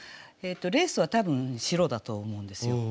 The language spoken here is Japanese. レースは多分白だと思うんですよ。